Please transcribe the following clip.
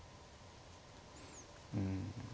うん。